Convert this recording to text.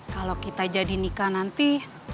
kalau kita jadi nikah nanti